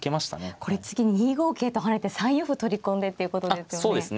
これ次２五桂と跳ねて３四歩取り込んでっていうことですよね。